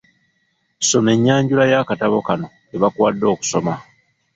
Soma ennyanjula y'akatabo konna ke bakuwadde okusoma.